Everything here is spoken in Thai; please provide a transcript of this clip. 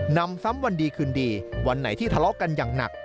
นำซ้ำวันดีคืนดีวันไหนที่ทะเลาะกันอย่างหนัก